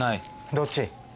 どっち？